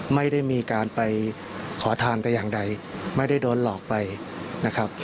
ไม่ได้มีการไปขอทานแต่อย่างใดไม่ได้โดนหลอกไปนะครับ